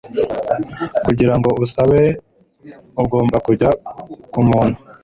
Kugirango usabe, ugomba kujya kumuntu